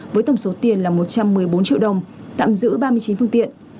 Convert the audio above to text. với tổng số tiền là một trăm một mươi bốn triệu đồng tạm giữ ba mươi chín phương tiện